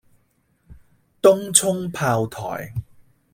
東涌炮台